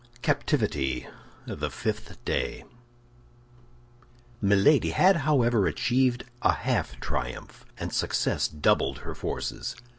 CAPTIVITY: THE FIFTH DAY Milady had however achieved a half triumph, and success doubled her forces.